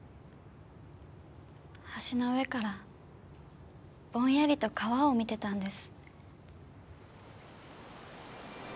橋の上からぼんやりと川を見てたんです。